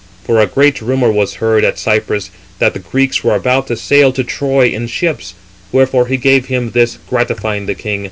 For a great rumour was heard at Cyprus, that the Greeks were about to sail to Troy in ships: wherefore he gave him this, gratifying the king.